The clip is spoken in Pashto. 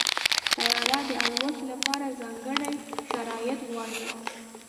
طیاره د الوت لپاره ځانګړي شرایط غواړي.